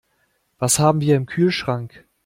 Was haben wir im Kühlschrank?